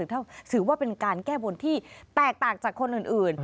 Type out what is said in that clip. ถ้าถือว่าเป็นการแก้บนที่แตกต่างจากคนอื่น